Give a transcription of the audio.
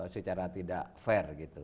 secara tidak fair gitu